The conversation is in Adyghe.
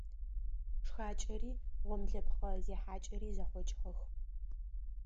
Шхакӏэри гъомлэпхъэ зехьакӏэри зэхъокӏыгъэх.